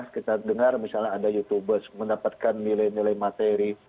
kita dengar misalnya ada youtubers mendapatkan nilai nilai materi